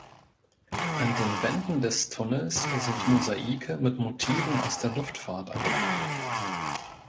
An den Wänden des Tunnels sind Mosaike mit Motiven aus der Luftfahrt angebracht.